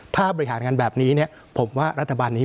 ถ้าบริหารงานแบบนี้เนี่ยผมว่ารัฐบาลนี้